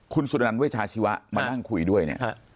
คุณสุดนันเวชาชีวะมานั่งคุยด้วยเนี่ย